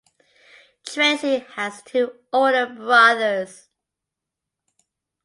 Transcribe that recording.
Tracey has two older brothers.